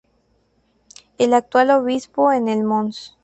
El actual Obispo es el Mons.